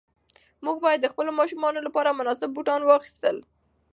موږ باید د خپلو ماشومانو لپاره مناسب بوټان واخیستل.